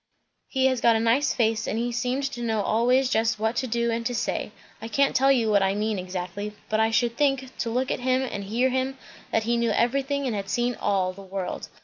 "He has got a nice face, and he seemed to know always just what to do and to say; I can't tell you what I mean exactly; but I should think, to look at him and hear him, that he knew everything and had seen all the world.